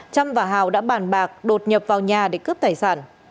trâm và hào đã bàn bạc đột nhập vào nhà để cướp tài sản